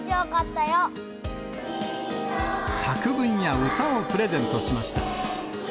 作文や歌をプレゼントしました。